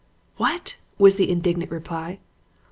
"'What!' was the indignant reply.